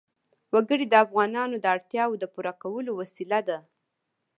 وګړي د افغانانو د اړتیاوو د پوره کولو وسیله ده.